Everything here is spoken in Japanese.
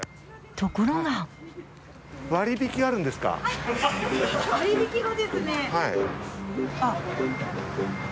ところが割引がですね。